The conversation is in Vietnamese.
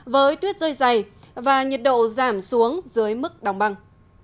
với tuyết rơi dày và nhiệt độ giảm xuống dưới mức đóng băng